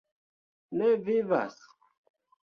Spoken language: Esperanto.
Ne Vivas?